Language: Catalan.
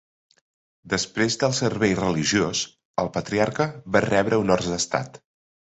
Després del servei religiós, el patriarca va rebre honors d'Estat.